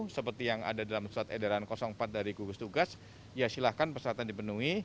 seperti yang ada dalam surat edaran empat dari gugus tugas ya silahkan persyaratan dipenuhi